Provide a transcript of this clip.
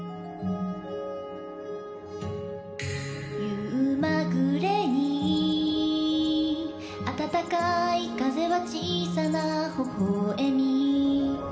夕まぐれにあたたかい風は小さな微笑み